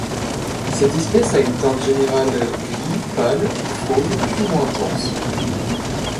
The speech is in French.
Cette espèce a une teinte générale gris pâle ou fauve plus ou moins intense.